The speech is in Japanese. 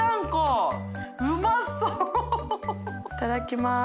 いただきます。